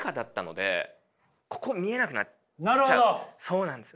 そうなんです。